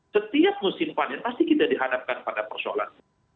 setiap musim panen pasti kita dihadapkan pada persoalan